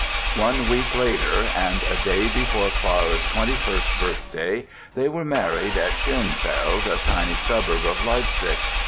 One week later (and a day before Clara's twenty first birthday), they were married at Schönefeld, a tiny suburb of Leipzig.